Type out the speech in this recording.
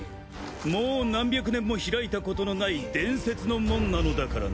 もう何百年も開いたことのない伝説の門なのだからな。